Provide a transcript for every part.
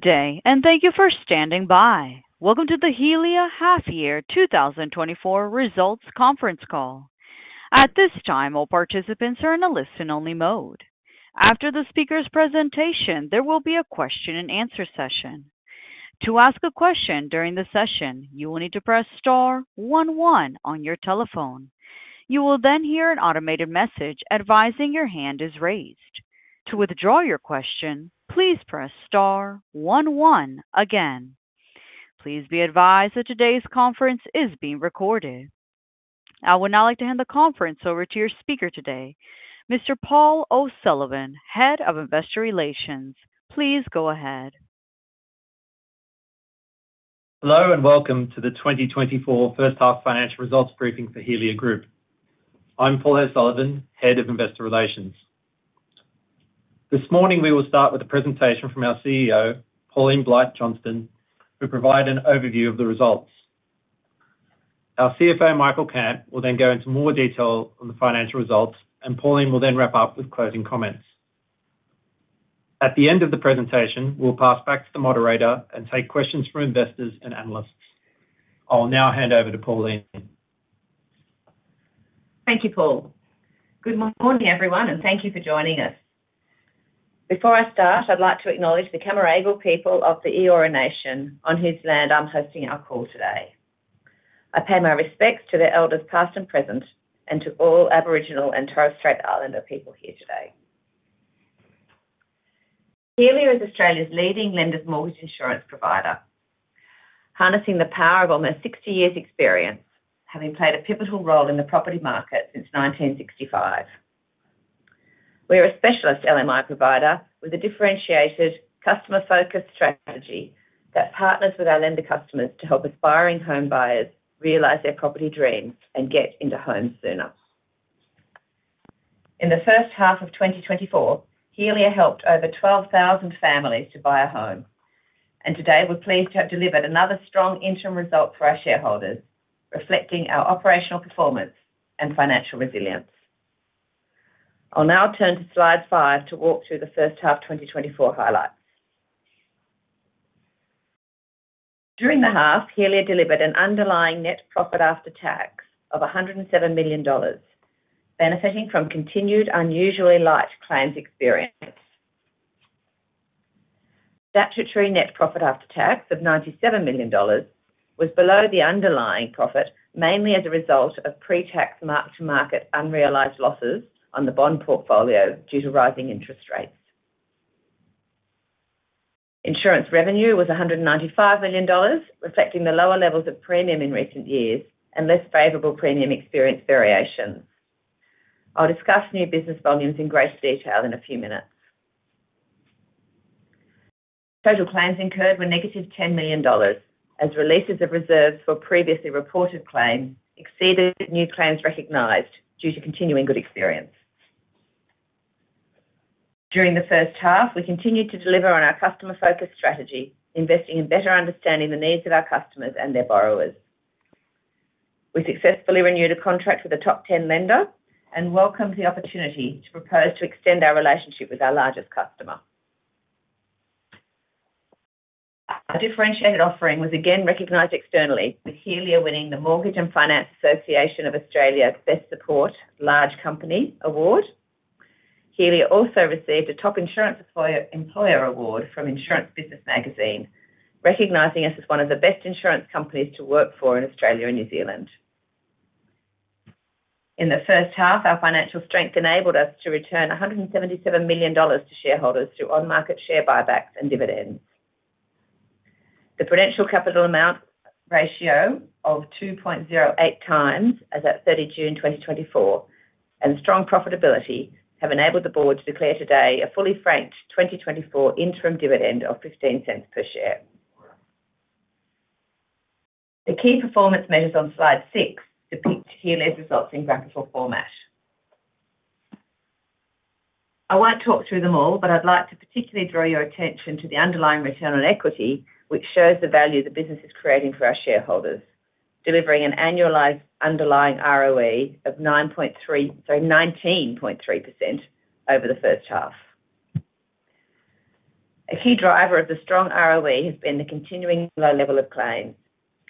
Good day, and thank you for standing by. Welcome to the Helia Half Year 2024 Results Conference Call. At this time, all participants are in a listen-only mode. After the speaker's presentation, there will be a question and answer session. To ask a question during the session, you will need to press star one one on your telephone. You will then hear an automated message advising your hand is raised. To withdraw your question, please press star one one again. Please be advised that today's conference is being recorded. I would now like to hand the conference over to your speaker today, Mr. Paul O'Sullivan, Head of Investor Relations. Please go ahead. Hello, and welcome to the 2024 first half financial results briefing for Helia Group. I'm Paul O'Sullivan, Head of Investor Relations. This morning, we will start with a presentation from our CEO, Pauline Blight-Johnston, who provide an overview of the results. Our CFO, Michael Cant, will then go into more detail on the financial results, and Pauline will then wrap up with closing comments. At the end of the presentation, we'll pass back to the moderator and take questions from investors and analysts. I'll now hand over to Pauline. Thank you, Paul. Good morning, everyone, and thank you for joining us. Before I start, I'd like to acknowledge the Cammeraygal people of the Eora Nation, on whose land I'm hosting our call today. I pay my respects to the elders, past and present, and to all Aboriginal and Torres Strait Islander people here today. Helia is Australia's leading lenders' mortgage insurance provider, harnessing the power of almost sixty years' experience, having played a pivotal role in the property market since nineteen sixty-five. We are a specialist LMI provider with a differentiated, customer-focused strategy that partners with our lender customers to help aspiring homebuyers realize their property dreams and get into homes sooner. In the first half of 2024, Helia helped over 12,000 families to buy a home, and today, we're pleased to have delivered another strong interim result for our shareholders, reflecting our operational performance and financial resilience. I'll now turn to Slide 5 to walk through the first half 2024 highlights. During the half, Helia delivered an underlying net profit after tax of 107 million dollars, benefiting from continued unusually light claims experience. Statutory net profit after tax of 97 million dollars was below the underlying profit, mainly as a result of pre-tax mark-to-market unrealized losses on the bond portfolio due to rising interest rates. Insurance revenue was 195 million dollars, reflecting the lower levels of premium in recent years and less favorable premium experience variations. I'll discuss new business volumes in greater detail in a few minutes. Total claims incurred were -10 million dollars, as releases of reserves for previously reported claims exceeded new claims recognized due to continuing good experience. During the first half, we continued to deliver on our customer-focused strategy, investing in better understanding the needs of our customers and their borrowers. We successfully renewed a contract with a top ten lender and welcomed the opportunity to propose to extend our relationship with our largest customer. Our differentiated offering was again recognized externally, with Helia winning the Mortgage & Finance Association of Australia Best Support Large Company Award. Helia also received a Top Insurance Employer Award from Insurance Business Magazine, recognizing us as one of the best insurance companies to work for in Australia and New Zealand. In the first half, our financial strength enabled us to return 177 million dollars to shareholders through on-market share buybacks and dividends. The Prudential Capital Amount ratio of 2.08 times, as at 30 June 2024, and strong profitability have enabled the board to declare today a fully franked 2024 interim dividend of 0.15 per share. The key performance measures on Slide 6 depict Helia's results in graphical format. I won't talk through them all, but I'd like to particularly draw your attention to the underlying return on equity, which shows the value the business is creating for our shareholders, delivering an annualized underlying ROE of 9.3%—sorry, 19.3% over the first half. A key driver of the strong ROE has been the continuing low level of claims,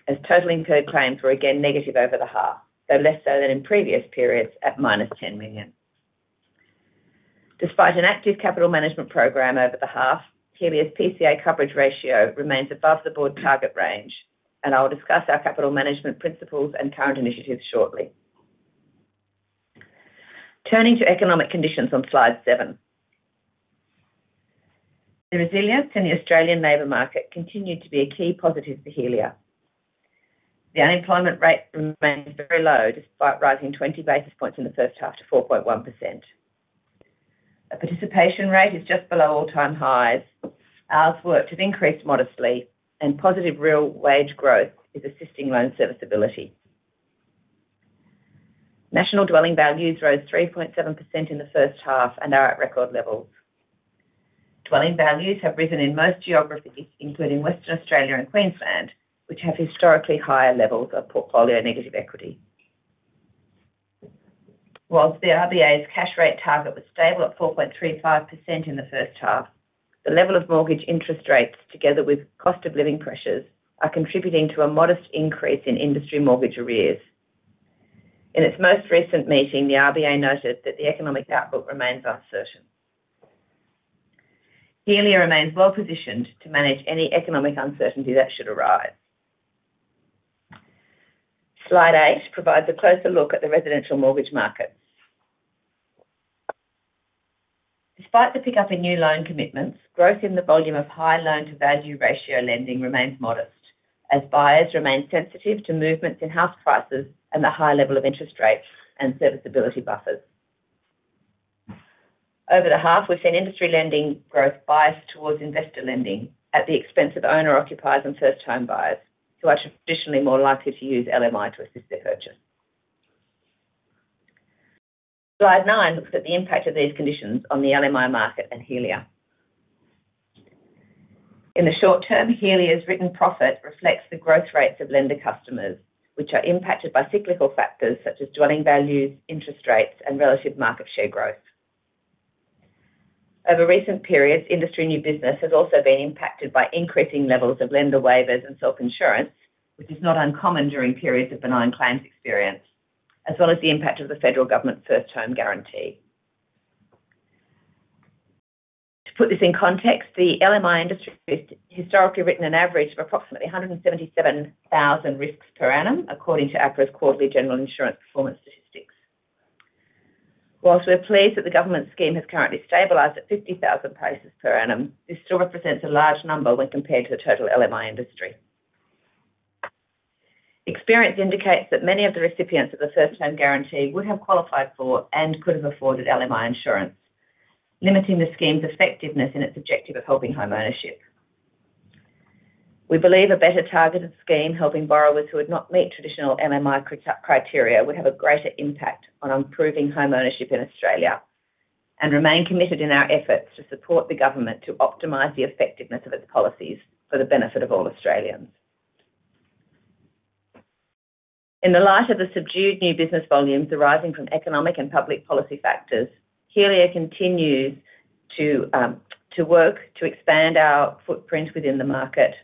as total incurred claims were again negative over the half, though less so than in previous periods, at minus 10 million. Despite an active capital management program over the half, Helia's PCA coverage ratio remains above the board target range, and I'll discuss our capital management principles and current initiatives shortly. Turning to economic conditions on Slide 7. The resilience in the Australian labor market continued to be a key positive for Helia. The unemployment rate remains very low, despite rising 20 basis points in the first half to 4.1%. The participation rate is just below all-time highs. Hours worked have increased modestly, and positive real wage growth is assisting loan serviceability. National dwelling values rose 3.7% in the first half and are at record levels. Dwelling values have risen in most geographies, including Western Australia and Queensland, which have historically higher levels of portfolio negative equity. While the RBA's cash rate target was stable at 4.35% in the first half, the level of mortgage interest rates, together with cost of living pressures, are contributing to a modest increase in industry mortgage arrears. In its most recent meeting, the RBA noted that the economic outlook remains uncertain. Helia remains well positioned to manage any economic uncertainty that should arise. Slide 8 provides a closer look at the residential mortgage markets. Despite the pick up in new loan commitments, growth in the volume of high loan-to-value ratio lending remains modest, as buyers remain sensitive to movements in house prices and the high level of interest rates and serviceability buffers. Over the half, we've seen industry lending growth biased towards investor lending at the expense of owner-occupiers and first-time buyers, who are traditionally more likely to use LMI to assist their purchase. Slide 9 looks at the impact of these conditions on the LMI market and Helia. In the short term, Helia's written profit reflects the growth rates of lender customers, which are impacted by cyclical factors such as dwelling values, interest rates, and relative market share growth. Over recent periods, industry new business has also been impacted by increasing levels of lender waivers and self-insurance, which is not uncommon during periods of benign claims experience, as well as the impact of the federal government's First Home Guarantee. To put this in context, the LMI industry has historically written an average of approximately 170,000 risks per annum, according to APRA's quarterly general insurance performance statistics. While we're pleased that the government scheme has currently stabilized at fifty thousand policies per annum, this still represents a large number when compared to the total LMI industry. Experience indicates that many of the recipients of the First Home Guarantee would have qualified for and could have afforded LMI insurance, limiting the scheme's effectiveness in its objective of helping homeownership. We believe a better targeted scheme, helping borrowers who would not meet traditional LMI criteria, would have a greater impact on improving homeownership in Australia, and remain committed in our efforts to support the government to optimize the effectiveness of its policies for the benefit of all Australians. In the light of the subdued new business volumes arising from economic and public policy factors, Helia continues to work to expand our footprint within the market,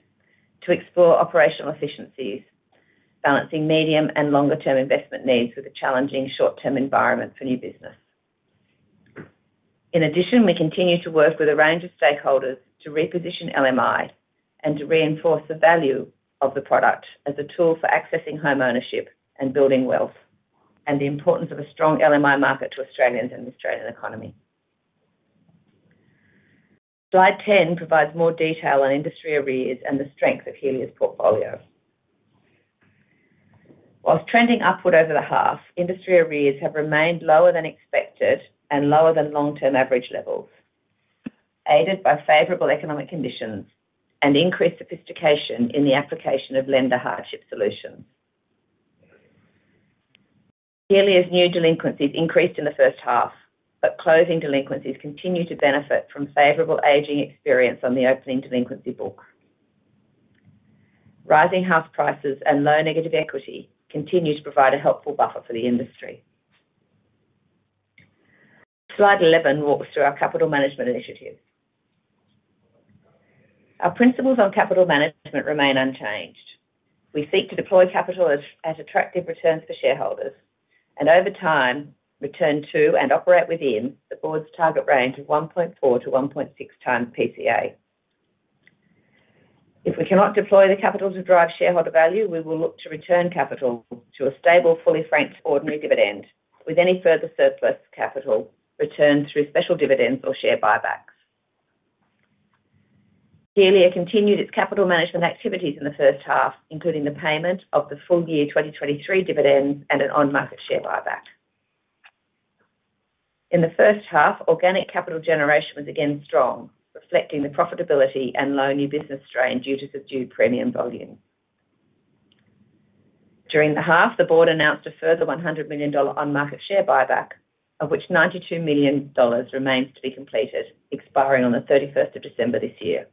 to explore operational efficiencies, balancing medium and longer-term investment needs with a challenging short-term environment for new business. In addition, we continue to work with a range of stakeholders to reposition LMI and to reinforce the value of the product as a tool for accessing homeownership and building wealth, and the importance of a strong LMI market to Australians and the Australian economy. Slide 10 provides more detail on industry arrears and the strength of Helia's portfolio. While trending upward over the half, industry arrears have remained lower than expected and lower than long-term average levels, aided by favorable economic conditions and increased sophistication in the application of lender hardship solutions. Helia's new delinquencies increased in the first half, but closing delinquencies continue to benefit from favorable aging experience on the opening delinquency book. Rising house prices and low negative equity continue to provide a helpful buffer for the industry. Slide 11 walks through our capital management initiatives. Our principles on capital management remain unchanged. We seek to deploy capital at attractive returns for shareholders, and over time, return to and operate within the board's target range of 1.4-1.6 times PCA. If we cannot deploy the capital to drive shareholder value, we will look to return capital to a stable, fully franked ordinary dividend, with any further surplus capital returned through special dividends or share buybacks. Helia continued its capital management activities in the first half, including the payment of the full-year 2023 dividends and an on-market share buyback. In the first half, organic capital generation was again strong, reflecting the profitability and low new business strain due to subdued premium volumes. During the half, the board announced a further 100 million dollar on-market share buyback, of which 92 million dollars remains to be completed, expiring on the 31st of December this year.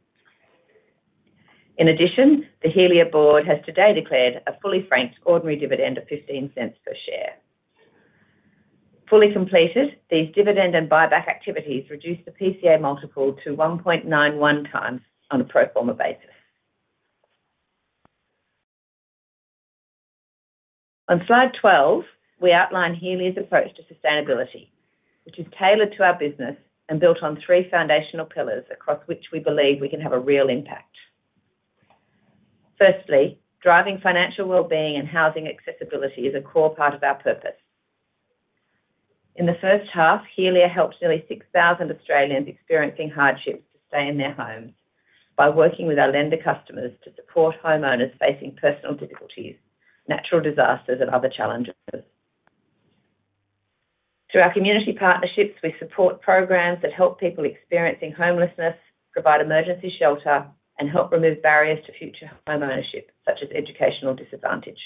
In addition, the Helia board has today declared a fully franked ordinary dividend of 0.15 per share. Fully completed, these dividend and buyback activities reduce the PCA multiple to 1.91 times on a pro forma basis. On Slide 12, we outline Helia's approach to sustainability, which is tailored to our business and built on 3 foundational pillars across which we believe we can have a real impact. Firstly, driving financial wellbeing and housing accessibility is a core part of our purpose. In the first half, Helia helped nearly 6,000 Australians experiencing hardships to stay in their homes by working with our lender customers to support homeowners facing personal difficulties, natural disasters, and other challenges. Through our community partnerships, we support programs that help people experiencing homelessness, provide emergency shelter, and help remove barriers to future homeownership, such as educational disadvantage.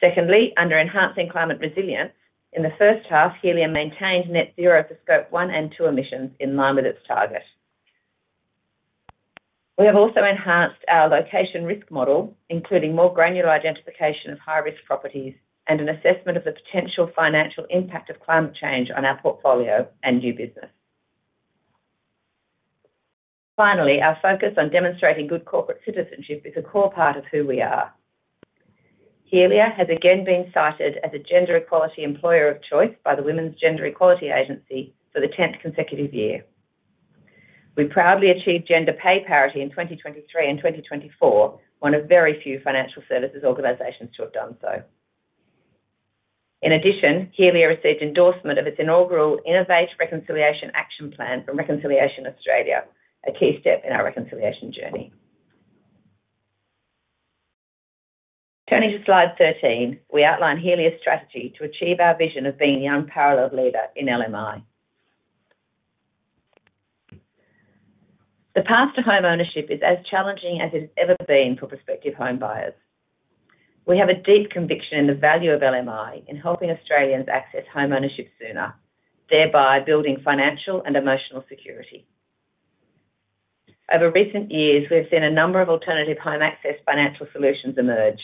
Secondly, under enhancing climate resilience, in the first half, Helia maintained net zero for Scope 1 and 2 emissions in line with its target. We have also enhanced our location risk model, including more granular identification of high-risk properties and an assessment of the potential financial impact of climate change on our portfolio and new business. Finally, our focus on demonstrating good corporate citizenship is a core part of who we are. Helia has again been cited as a gender equality employer of choice by the Women's Gender Equality Agency for the tenth consecutive year. We proudly achieved gender pay parity in 2023 and 2024, one of very few financial services organizations to have done so. In addition, Helia received endorsement of its inaugural Innovative Reconciliation Action Plan from Reconciliation Australia, a key step in our reconciliation journey. Turning to Slide 13, we outline Helia's strategy to achieve our vision of being the unparalleled leader in LMI. The path to homeownership is as challenging as it's ever been for prospective homebuyers. We have a deep conviction in the value of LMI in helping Australians access homeownership sooner, thereby building financial and emotional security. Over recent years, we've seen a number of alternative home access financial solutions emerge.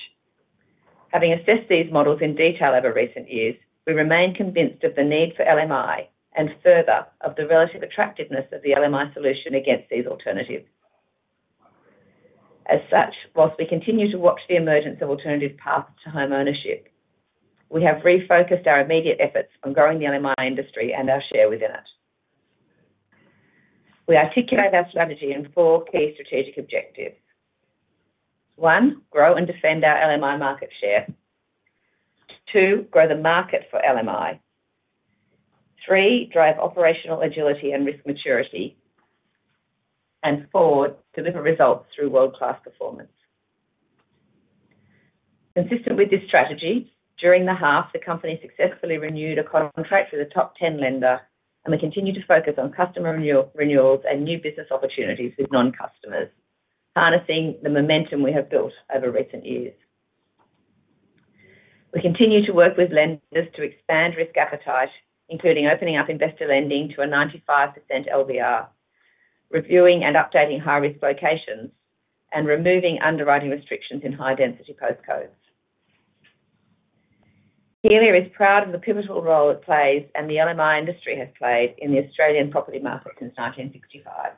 Having assessed these models in detail over recent years, we remain convinced of the need for LMI, and further, of the relative attractiveness of the LMI solution against these alternatives. As such, whilst we continue to watch the emergence of alternative paths to homeownership, we have refocused our immediate efforts on growing the LMI industry and our share within it. We articulate our strategy in four key strategic objectives: One, grow and defend our LMI market share. Two, grow the market for LMI. Three, drive operational agility and risk maturity. And four, deliver results through world-class performance. Consistent with this strategy, during the half, the company successfully renewed a contract with a top 10 lender, and we continue to focus on customer renewals and new business opportunities with non-customers, harnessing the momentum we have built over recent years. We continue to work with lenders to expand risk appetite, including opening up investor lending to a 95% LVR, reviewing and updating high-risk locations, and removing underwriting restrictions in high-density postcodes. Helia is proud of the pivotal role it plays, and the LMI industry has played in the Australian property market since 1965.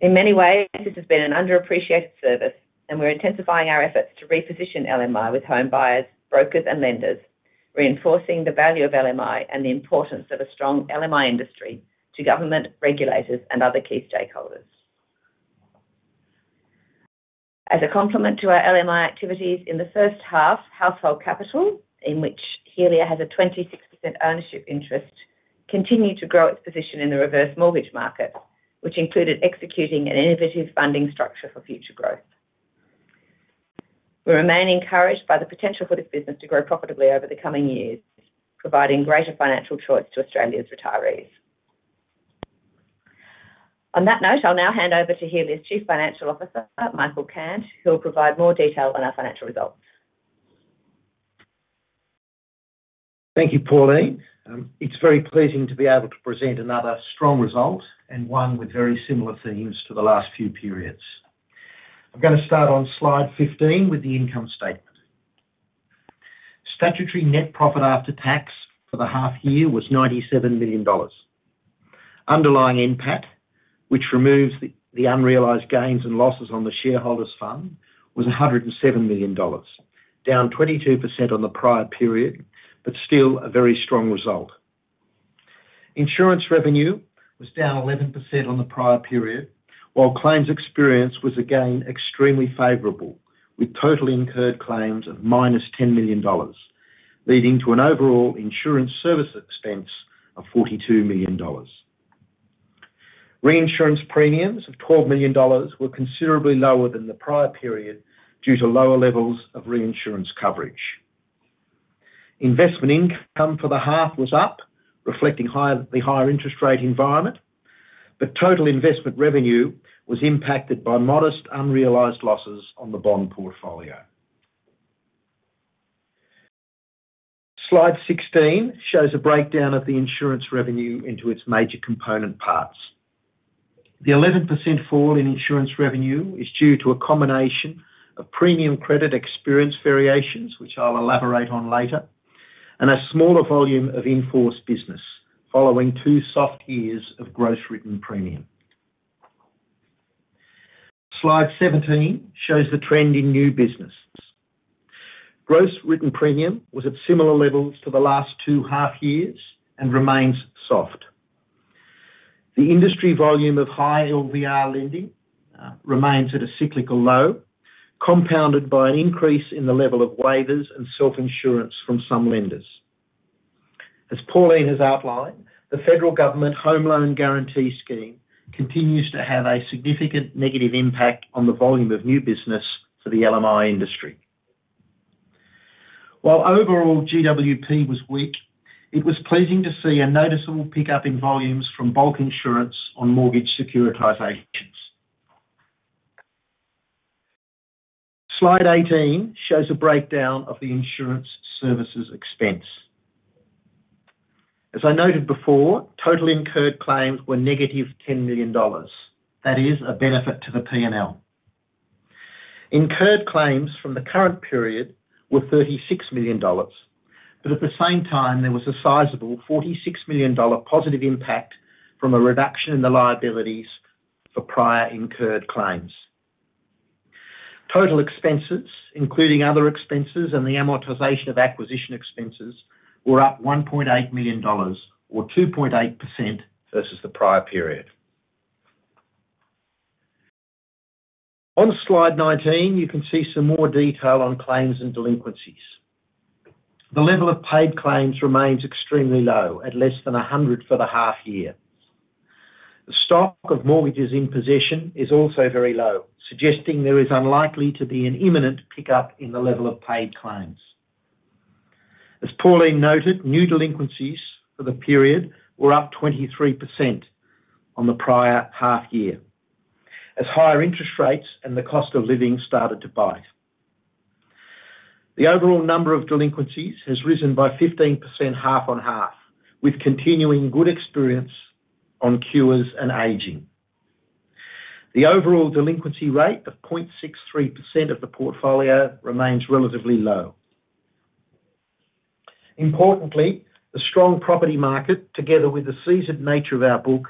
In many ways, this has been an underappreciated service, and we're intensifying our efforts to reposition LMI with homebuyers, brokers, and lenders, reinforcing the value of LMI and the importance of a strong LMI industry to government, regulators, and other key stakeholders. As a complement to our LMI activities, in the first half, Household Capital, in which Helia has a 26% ownership interest, continued to grow its position in the reverse mortgage market, which included executing an innovative funding structure for future growth. We remain encouraged by the potential for this business to grow profitably over the coming years, providing greater financial choice to Australia's retirees. On that note, I'll now hand over to Helia's Chief Financial Officer, Michael Cant, who will provide more detail on our financial results. Thank you, Pauline. It's very pleasing to be able to present another strong result, and one with very similar themes to the last few periods. I'm gonna start on Slide 15 with the income statement. Statutory net profit after tax for the half year was 97 million dollars. Underlying NPAT, which removes the unrealized gains and losses on the shareholders fund, was 107 million dollars, down 22% on the prior period, but still a very strong result. Insurance revenue was down 11% on the prior period, while claims experience was, again, extremely favorable, with total incurred claims of minus 10 million dollars, leading to an overall insurance service expense of 42 million dollars. Reinsurance premiums of 12 million dollars were considerably lower than the prior period due to lower levels of reinsurance coverage. Investment income for the half was up, reflecting the higher interest rate environment, but total investment revenue was impacted by modest unrealized losses on the bond portfolio. Slide 16 shows a breakdown of the insurance revenue into its major component parts. The 11% fall in insurance revenue is due to a combination of premium credit experience variations, which I'll elaborate on later, and a smaller volume of in-force business following two soft years of gross written premium. Slide 17 shows the trend in new business. Gross written premium was at similar levels to the last two half years and remains soft. The industry volume of high LVR lending remains at a cyclical low, compounded by an increase in the level of waivers and self-insurance from some lenders. As Pauline has outlined, the federal government Home Loan Guarantee Scheme continues to have a significant negative impact on the volume of new business for the LMI industry. While overall GWP was weak, it was pleasing to see a noticeable pickup in volumes from bulk insurance on mortgage securitizations. Slide 18 shows a breakdown of the insurance services expense. As I noted before, total incurred claims were negative 10 million dollars. That is a benefit to the P&L. Incurred claims from the current period were 36 million dollars, but at the same time, there was a sizable 46 million dollar positive impact from a reduction in the liabilities for prior incurred claims. Total expenses, including other expenses and the amortization of acquisition expenses, were up 1.8 million dollars or 2.8% versus the prior period. On Slide 19, you can see some more detail on claims and delinquencies. The level of paid claims remains extremely low at less than a hundred for the half year. The stock of mortgages in possession is also very low, suggesting there is unlikely to be an imminent pickup in the level of paid claims. As Pauline noted, new delinquencies for the period were up 23% on the prior half year, as higher interest rates and the cost of living started to bite. The overall number of delinquencies has risen by 15%, half on half, with continuing good experience on cures and aging. The overall delinquency rate of 0.63% of the portfolio remains relatively low. Importantly, the strong property market, together with the seasoned nature of our book,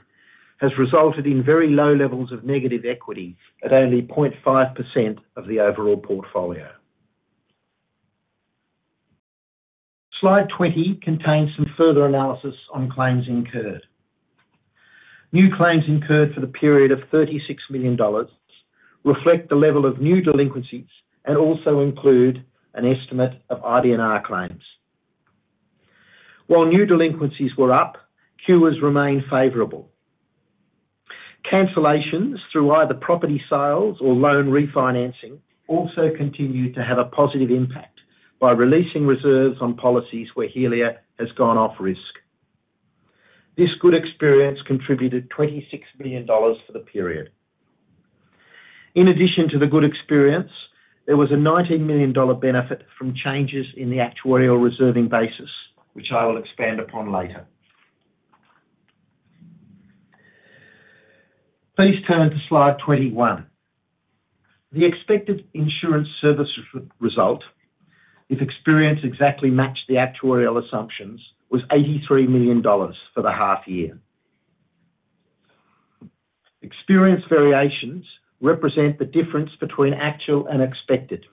has resulted in very low levels of negative equity at only 0.5% of the overall portfolio. Slide 20 contains some further analysis on claims incurred. New claims incurred for the period of 36 million dollars reflect the level of new delinquencies, and also include an estimate of IBNR claims. While new delinquencies were up, cures remained favorable. Cancellations through either property sales or loan refinancing also continued to have a positive impact by releasing reserves on policies where Helia has gone off risk. This good experience contributed 26 million dollars for the period. In addition to the good experience, there was a 19 million dollar benefit from changes in the actuarial reserving basis, which I will expand upon later. Please turn to Slide 21. The expected insurance service result, if experience exactly matched the actuarial assumptions, was 83 million dollars for the half year. Experience variations represent the difference between actual and expected.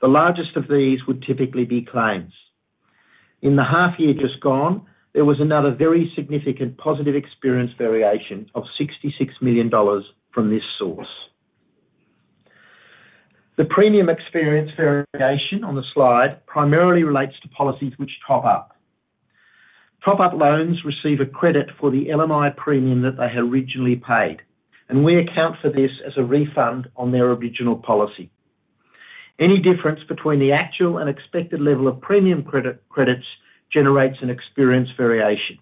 The largest of these would typically be claims. In the half year just gone, there was another very significant positive experience variation of 66 million dollars from this source. The premium experience variation on the Slide primarily relates to policies which top up. Top-up loans receive a credit for the LMI premium that they had originally paid, and we account for this as a refund on their original policy. Any difference between the actual and expected level of premium credits generates an experience variation.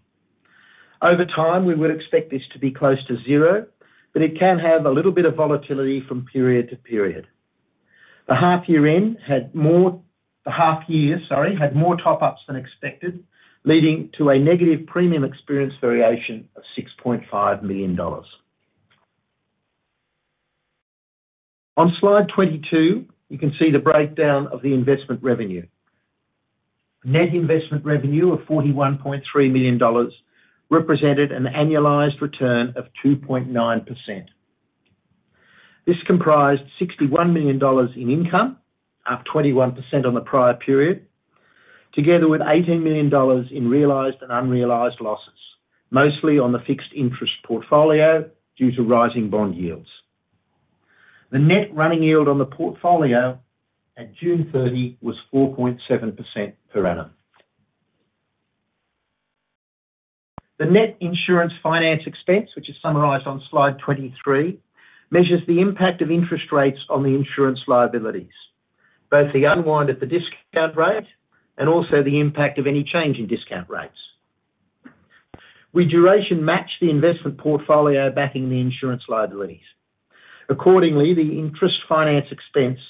Over time, we would expect this to be close to zero, but it can have a little bit of volatility from period to period. The half year, sorry, had more top ups than expected, leading to a negative premium experience variation of 6.5 million dollars. On Slide 22, you can see the breakdown of the investment revenue. Net investment revenue of 41.3 million dollars represented an annualized return of 2.9%. This comprised 61 million dollars in income, up 21% on the prior period, together with 18 million dollars in realized and unrealized losses, mostly on the fixed interest portfolio due to rising bond yields. The net running yield on the portfolio at June 30 was 4.7% per annum. The net insurance finance expense, which is summarized on Slide 23, measures the impact of interest rates on the insurance liabilities, both the unwind at the discount rate and also the impact of any change in discount rates. We duration match the investment portfolio backing the insurance liabilities. Accordingly, the interest finance expense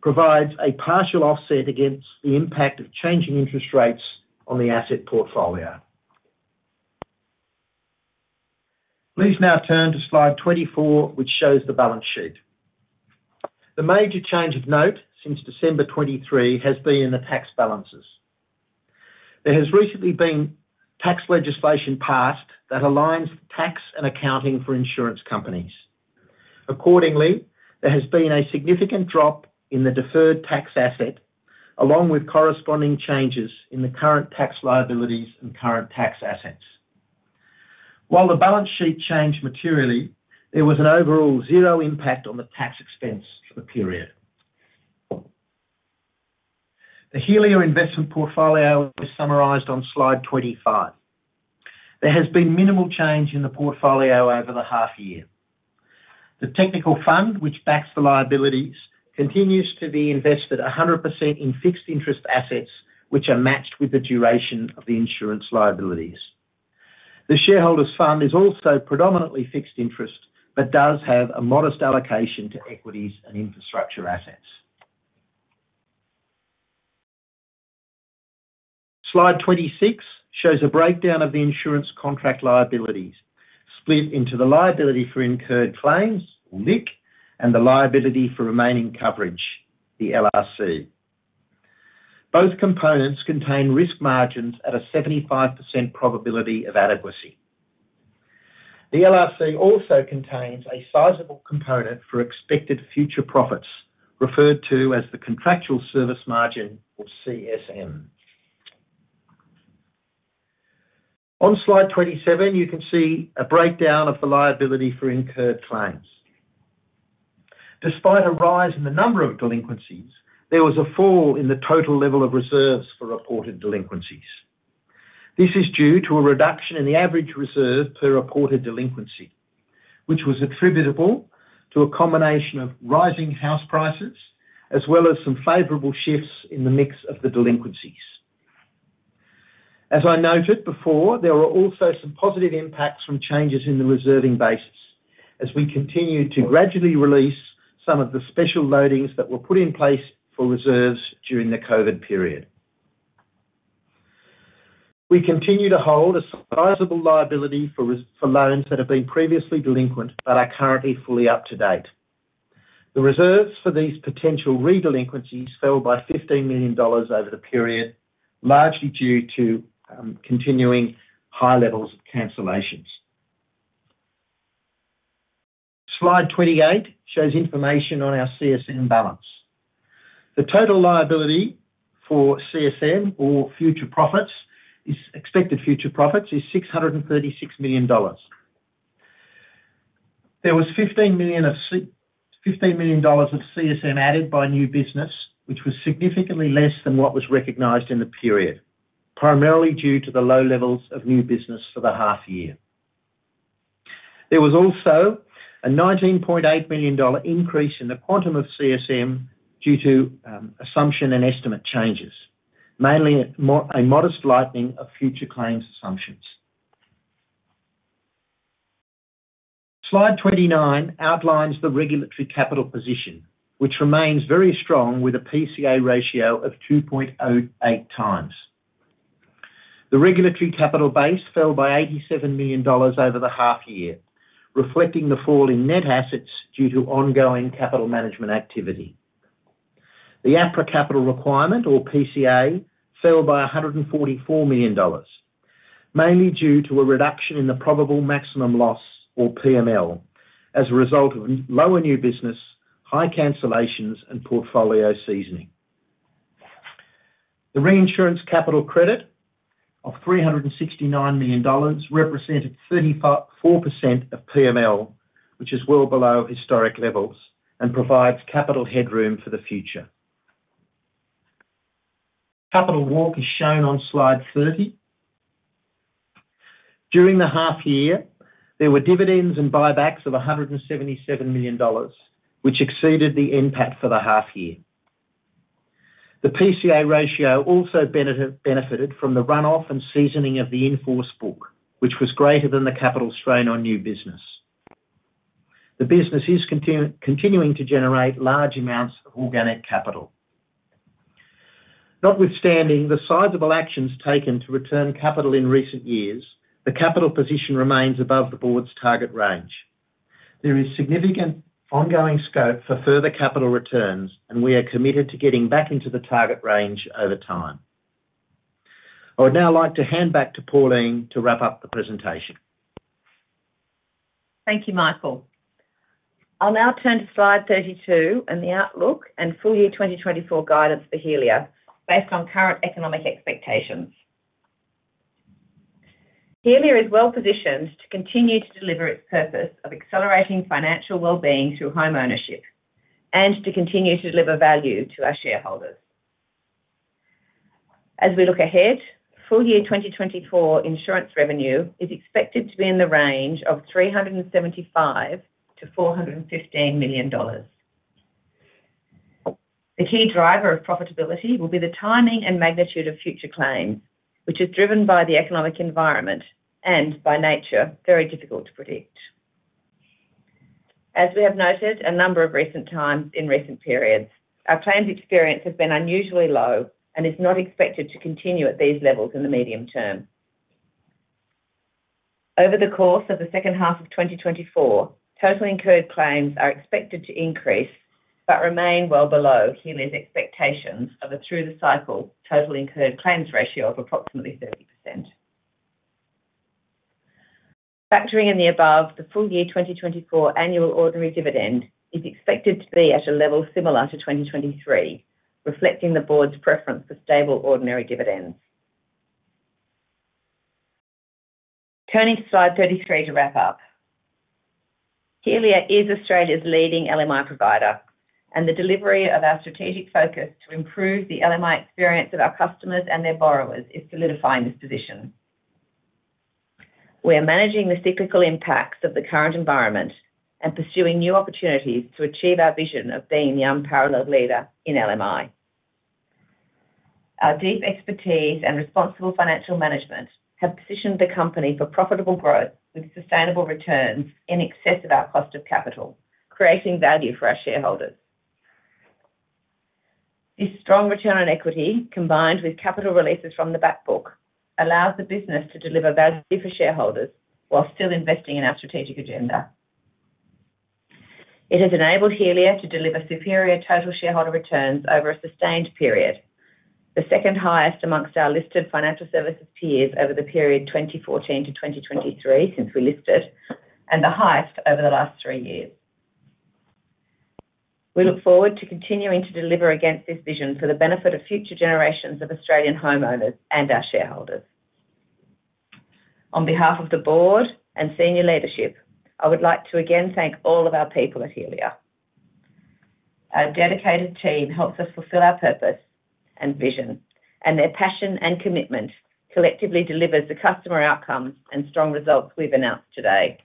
provides a partial offset against the impact of changing interest rates on the asset portfolio. Please now turn to Slide 24, which shows the balance sheet. The major change of note since December 2023 has been in the tax balances. There has recently been tax legislation passed that aligns tax and accounting for insurance companies. Accordingly, there has been a significant drop in the deferred tax asset, along with corresponding changes in the current tax liabilities and current tax assets. While the balance sheet changed materially, there was an overall zero impact on the tax expense for the period. The Helia investment portfolio is summarized on Slide 25. There has been minimal change in the portfolio over the half year. The technical fund, which backs the liabilities, continues to be invested 100% in fixed interest assets, which are matched with the duration of the insurance liabilities. The shareholders fund is also predominantly fixed interest, but does have a modest allocation to equities and infrastructure assets. Slide 26 shows a breakdown of the insurance contract liabilities, split into the liability for incurred claims, or LIC, and the liability for remaining coverage, the LRC. Both components contain risk margins at a 75% probability of adequacy. The LRC also contains a sizable component for expected future profits, referred to as the contractual service margin, or CSM. On Slide 27, you can see a breakdown of the liability for incurred claims. Despite a rise in the number of delinquencies, there was a fall in the total level of reserves for reported delinquencies. This is due to a reduction in the average reserve per reported delinquency, which was attributable to a combination of rising house prices, as well as some favorable shifts in the mix of the delinquencies. As I noted before, there were also some positive impacts from changes in the reserving basis, as we continued to gradually release some of the special loadings that were put in place for reserves during the COVID period. We continue to hold a sizable liability for reserves for loans that have been previously delinquent, but are currently fully up to date. The reserves for these potential re-delinquencies fell by 15 million dollars over the period, largely due to continuing high levels of cancellations. Slide 28 shows information on our CSM balance. The total liability for CSM, or expected future profits, is 636 million dollars. There was 15 million of CSM added by new business, which was significantly less than what was recognized in the period, primarily due to the low levels of new business for the half year. There was also a 19.8 million dollar increase in the quantum of CSM due to assumption and estimate changes, mainly a modest lightening of future claims assumptions. Slide 29 outlines the regulatory capital position, which remains very strong, with a PCA ratio of 2.08 times. The regulatory capital base fell by 87 million dollars over the half year, reflecting the fall in net assets due to ongoing capital management activity. The APRA capital requirement, or PCA, fell by 144 million dollars, mainly due to a reduction in the probable maximum loss, or PML, as a result of lower new business, high cancellations, and portfolio seasoning. The reinsurance capital credit of 369 million dollars represented 34% of PML, which is well below historic levels and provides capital headroom for the future. Capital walk is shown on Slide 30. During the half year, there were dividends and buybacks of 177 million dollars, which exceeded the NPAT for the half year. The PCA ratio also benefited from the run-off and seasoning of the in-force book, which was greater than the capital strain on new business. The business is continuing to generate large amounts of organic capital. Notwithstanding the sizable actions taken to return capital in recent years, the capital position remains above the board's target range. There is significant ongoing scope for further capital returns, and we are committed to getting back into the target range over time. I would now like to hand back to Pauline to wrap up the presentation. Thank you, Michael. I'll now turn to Slide 32, and the outlook and full year 2024 guidance for Helia, based on current economic expectations. Helia is well positioned to continue to deliver its purpose of accelerating financial wellbeing through home ownership, and to continue to deliver value to our shareholders. As we look ahead, full year 2024 insurance revenue is expected to be in the range of 375-415 million dollars. The key driver of profitability will be the timing and magnitude of future claims, which is driven by the economic environment, and by nature, very difficult to predict. As we have noted a number of recent times in recent periods, our claims experience has been unusually low and is not expected to continue at these levels in the medium term. Over the course of the second half of 2024, total incurred claims are expected to increase, but remain well below Helia's expectations of a through-the-cycle total incurred claims ratio of approximately 30%. Factoring in the above, the full year 2024 annual ordinary dividend is expected to be at a level similar to 2023, reflecting the board's preference for stable ordinary dividends. Turning to Slide 33 to wrap up. Helia is Australia's leading LMI provider, and the delivery of our strategic focus to improve the LMI experience of our customers and their borrowers is solidifying this position. We are managing the cyclical impacts of the current environment and pursuing new opportunities to achieve our vision of being the unparalleled leader in LMI. Our deep expertise and responsible financial management have positioned the company for profitable growth with sustainable returns in excess of our cost of capital, creating value for our shareholders. This strong return on equity, combined with capital releases from the back book, allows the business to deliver value for shareholders while still investing in our strategic agenda. It has enabled Helia to deliver superior total shareholder returns over a sustained period, the second highest amongst our listed financial services peers over the period 2014 to 2023, since we listed, and the highest over the last three years. We look forward to continuing to deliver against this vision for the benefit of future generations of Australian homeowners and our shareholders. On behalf of the board and senior leadership, I would like to again thank all of our people at Helia. Our dedicated team helps us fulfill our purpose and vision, and their passion and commitment collectively delivers the customer outcomes and strong results we've announced today.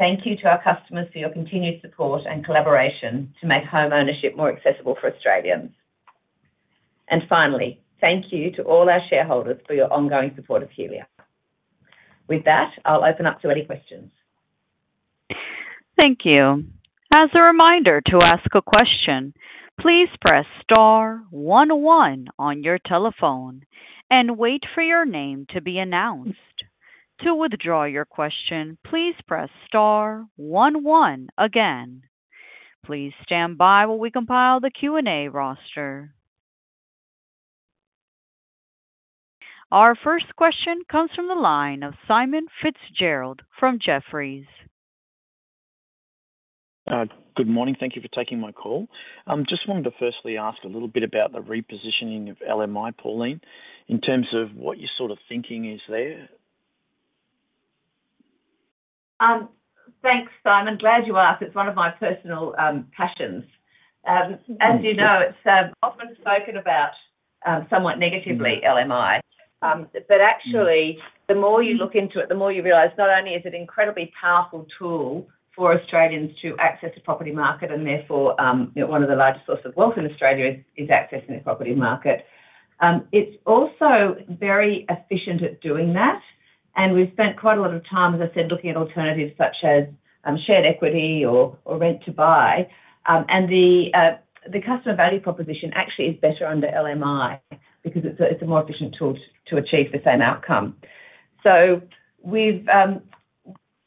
Thank you to our customers for your continued support and collaboration to make homeownership more accessible for Australians. And finally, thank you to all our shareholders for your ongoing support of Helia. With that, I'll open up to any questions. Thank you. As a reminder, to ask a question, please press star one one on your telephone and wait for your name to be announced. To withdraw your question, please press star one one again. Please stand by while we compile the Q&A roster. Our first question comes from the line of Simon Fitzgerald from Jefferies. Good morning. Thank you for taking my call. Just wanted to firstly ask a little bit about the repositioning of LMI, Pauline, in terms of what your sort of thinking is there? Thanks, Simon. Glad you asked. It's one of my personal passions. As you know, it's often spoken about somewhat negatively, LMI. But actually, the more you look into it, the more you realize, not only is it an incredibly powerful tool for Australians to access the property market, and therefore, you know, one of the largest sources of wealth in Australia is accessing the property market. It's also very efficient at doing that, and we've spent quite a lot of time, as I said, looking at alternatives such as shared equity or rent to buy. The customer value proposition actually is better under LMI because it's a more efficient tool to achieve the same outcome. So we've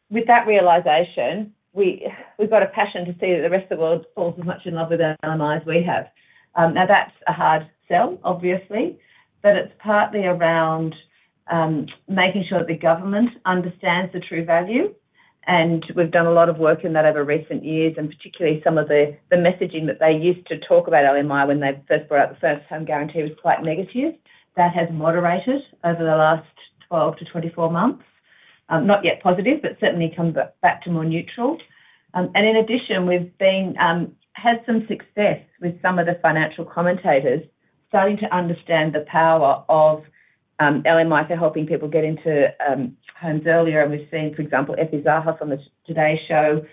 with that realization, we've got a passion to see that the rest of the world falls as much in love with LMIs as we have. Now, that's a hard sell, obviously, but it's partly around making sure that the government understands the true value, and we've done a lot of work in that over recent years, and particularly some of the messaging that they used to talk about LMI when they first brought out the First Home Guarantee was quite negative. That has moderated over the last 12-24 months. Not yet positive, but certainly come back to more neutral, and in addition, we've had some success with some of the financial commentators starting to understand the power of LMI for helping people get into homes earlier. We've seen, for example, Effie Zahos on The Today Show,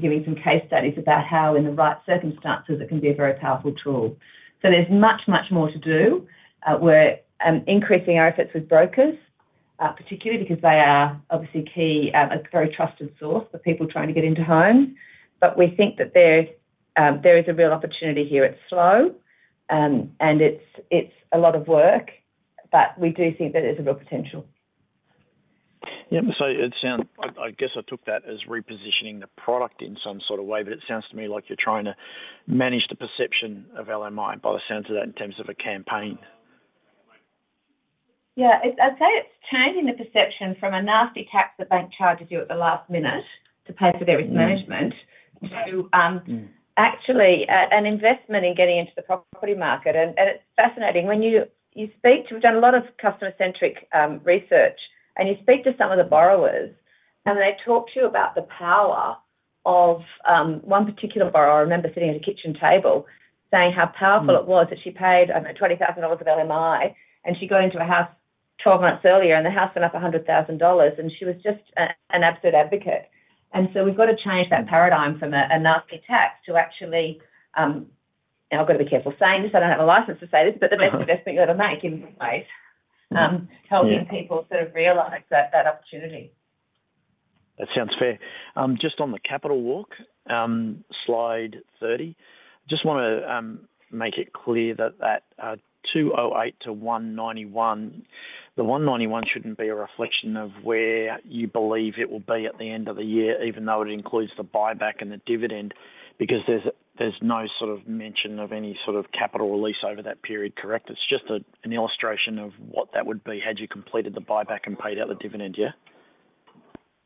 giving some case studies about how, in the right circumstances, it can be a very powerful tool. So there's much, much more to do. We're increasing our efforts with brokers, particularly because they are obviously key, a very trusted source for people trying to get into homes. But we think that there is a real opportunity here. It's slow, and it's a lot of work, but we do think that there's a real potential. Yeah, so it sounds. I guess I took that as repositioning the product in some sort of way, but it sounds to me like you're trying to manage the perception of LMI by the sound of that, in terms of a campaign. Yeah, it's changing the perception from a nasty tax the bank charges you at the last minute to pay for their risk management, to actually an investment in getting into the property market. And it's fascinating. When you speak to. We've done a lot of customer-centric research, and you speak to some of the borrowers, and they talk to you about the power of one particular borrower. I remember sitting at a kitchen table saying how powerful it was that she paid, I don't know, 20,000 dollars of LMI, and she got into a house 12 months earlier, and the house went up 100,000 dollars, and she was just an absolute advocate. And so we've got to change that paradigm from a nasty tax to actually... Now, I've got to be careful saying this. I don't have a license to say this, but the best investment you're ever gonna make, in many ways. Helping people sort of realize that, that opportunity. That sounds fair. Just on the capital walk, Slide 30, just wanna make it clear that 208-191, the 191 shouldn't be a reflection of where you believe it will be at the end of the year, even though it includes the buyback and the dividend, because there's no sort of mention of any sort of capital release over that period, correct? It's just an illustration of what that would be had you completed the buyback and paid out the dividend, yeah?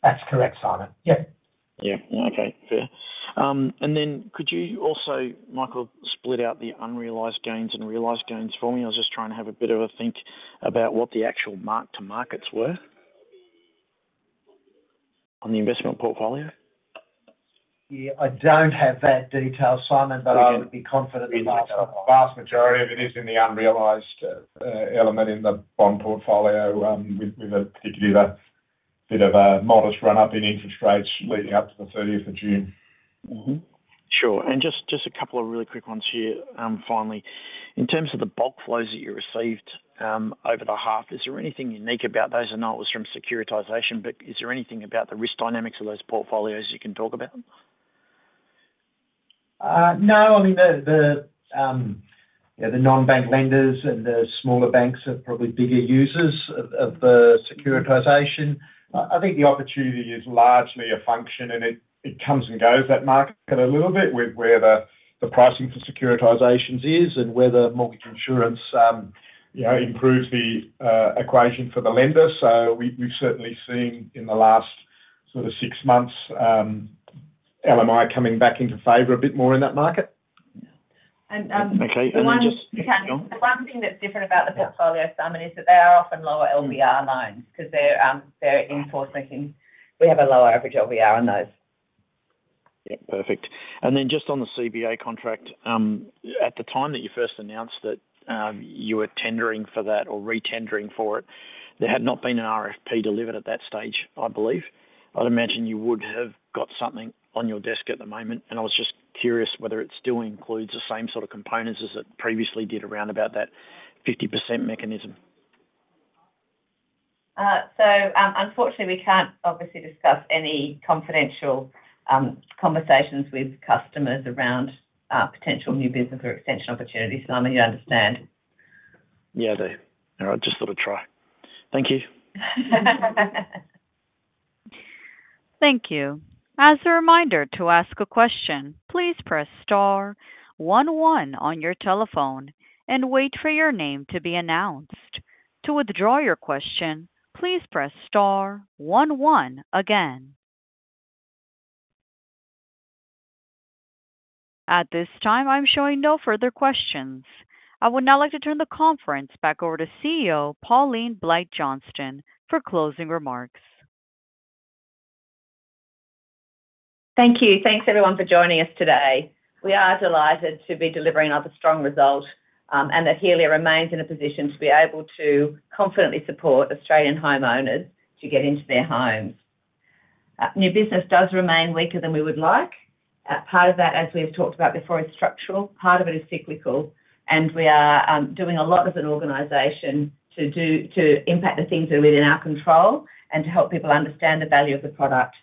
That's correct, Simon. Yep. Yeah. Okay, fair. And then could you also, Michael, split out the unrealized gains and realized gains for me? I was just trying to have a bit of a think about what the actual mark to markets were... On the investment portfolio. Yeah, I don't have that detail, Simon, but I would be confident the vast majority of it is in the unrealized element in the bond portfolio, with a particular-... bit of a modest run up in interest rates leading up to the thirtieth of June. Mm-hmm. Sure. And just a couple of really quick ones here, finally. In terms of the bulk flows that you received over the half, is there anything unique about those? I know it was from securitization, but is there anything about the risk dynamics of those portfolios you can talk about? No. I mean, yeah, the non-bank lenders and the smaller banks are probably bigger users of the securitization. I think the opportunity is largely a function, and it comes and goes, that market, a little bit, where the pricing for securitizations is and where the mortgage insurance, you know, improves the equation for the lender. So we've certainly seen in the last sort of 6 months, LMI coming back into favor a bit more in that market. And, um- Okay, and then just- The one thing that's different about the portfolio, Simon, is that they are often lower LVR loans, 'cause they're refinancings, and we have a lower average LVR on those. Yeah, perfect. And then just on the CBA contract, at the time that you first announced that, you were tendering for that or re-tendering for it, there had not been an RFP delivered at that stage, I believe. I'd imagine you would have got something on your desk at the moment, and I was just curious whether it still includes the same sort of components as it previously did around about that 50% mechanism. So, unfortunately, we can't obviously discuss any confidential conversations with customers around potential new business or extension opportunities. I know you understand. Yeah, I do. All right, just thought I'd try. Thank you. Thank you. As a reminder, to ask a question, please press star one one on your telephone and wait for your name to be announced. To withdraw your question, please press star one one again. At this time, I'm showing no further questions. I would now like to turn the conference back over to CEO, Pauline Blight-Johnston, for closing remarks. Thank you. Thanks, everyone, for joining us today. We are delighted to be delivering another strong result, and that Helia remains in a position to be able to confidently support Australian homeowners to get into their homes. New business does remain weaker than we would like. Part of that, as we've talked about before, is structural, part of it is cyclical, and we are doing a lot as an organization to impact the things that are within our control and to help people understand the value of the product.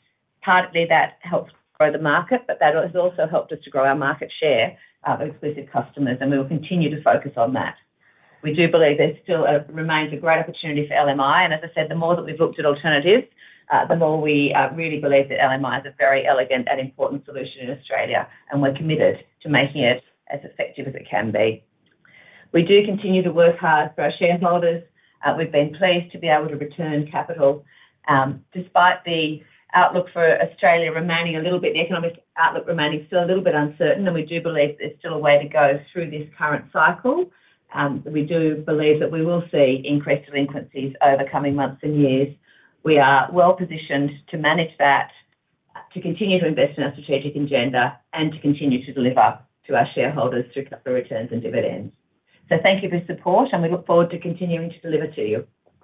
Partly, that helps grow the market, but that has also helped us to grow our market share with customers, and we will continue to focus on that. We do believe there still remains a great opportunity for LMI, and as I said, the more that we've looked at alternatives, the more we really believe that LMI is a very elegant and important solution in Australia, and we're committed to making it as effective as it can be. We do continue to work hard for our shareholders. We've been pleased to be able to return capital, despite the economic outlook remaining still a little bit uncertain, and we do believe there's still a way to go through this current cycle. We do believe that we will see increased delinquencies over the coming months and years. We are well positioned to manage that, to continue to invest in our strategic agenda, and to continue to deliver to our shareholders through the returns and dividends. Thank you for your support, and we look forward to continuing to deliver to you.